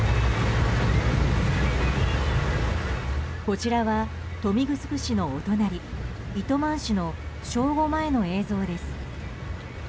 こちらは豊見城市のお隣、糸満市の正午前の映像です。